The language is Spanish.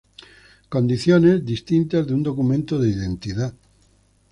Condiciones, distintas de un documento de identidad.